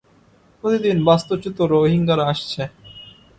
প্রতিদিন বাস্তুচ্যুত রোহিঙ্গারা আসছে।